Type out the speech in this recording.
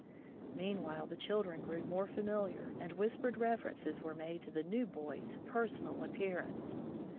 Meanwhile the children grew more familiar, and whispered references were made to the "new boy's*' personal appearance.